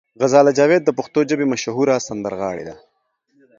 غزاله جاوید د پښتو ژبې مشهوره سندرغاړې ده.